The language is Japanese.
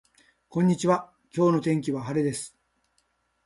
こんにちは今日の天気は晴れです